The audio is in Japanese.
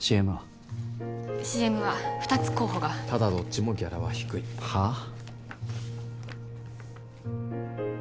ＣＭは二つ候補がただどっちもギャラは低いはっ？